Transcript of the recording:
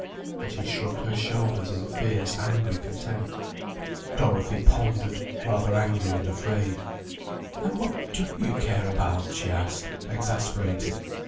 And she shrugged her shoulders in fierce, angry contempt. Dorothy pondered, rather angry and afraid. "Then what do you care about?" she asked, exasperated.